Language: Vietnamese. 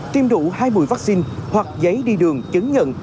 tiêm đủ hai mùi vaccine hoặc giấy đi đường chứng nhận